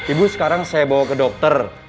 ibu sekarang saya bawa ke dokter